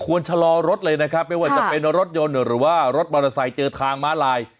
ชะลอรถเลยนะครับไม่ว่าจะเป็นรถยนต์หรือว่ารถมอเตอร์ไซค์เจอทางม้าลาย